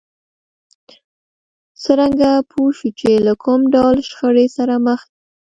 څرنګه پوه شو چې له کوم ډول شخړې سره مخ يو؟